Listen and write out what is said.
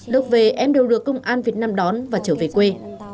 lúc về em đều được công an việt nam đón và trở về quê